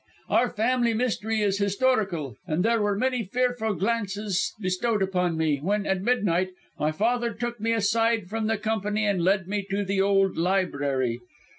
Our family mystery is historical, and there were many fearful glances bestowed upon me, when, at midnight, my father took me aside from the company and led me to the old library.